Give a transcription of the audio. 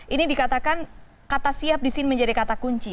ini dikatakan kata siap disini menjadi kata kunci